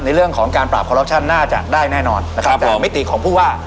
ในเรื่องของการปราบคอรัปชั่นน่าจะได้แน่นอนนะครับแต่มิติของผู้ว่า